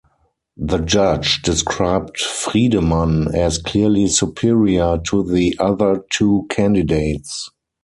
The judge described Friedemann as clearly superior to the other two candidates.